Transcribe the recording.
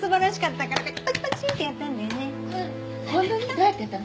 どうやってやったの？